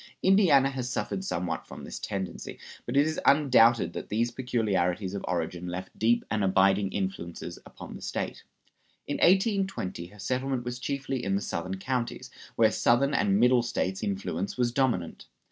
Indiana has suffered somewhat from this tendency; but it is undoubted that these peculiarities of origin left deep and abiding influences upon the State. In 1820 her settlement was chiefly in the southern counties, where Southern and Middle States influence was dominant.